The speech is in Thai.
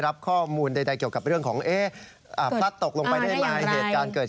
รับข้อมูลใดจบกับเรื่องของตกมายได้ไหมเหตุการณ์